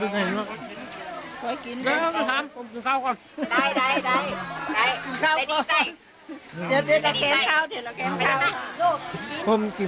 ดีใจ